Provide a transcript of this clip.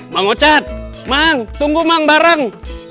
mak wocat mang tunggu mang bareng